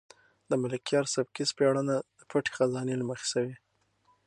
د ملکیار سبکي سپړنه د پټې خزانې له مخې شوې.